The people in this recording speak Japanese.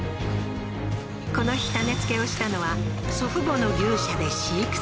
この日種付けをしたのは祖父母の牛舎で飼育する牛